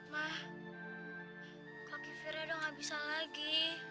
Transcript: ma kaki firah udah gak bisa lagi